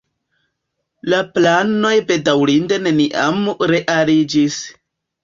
La planoj bedaŭrinde neniam realiĝis.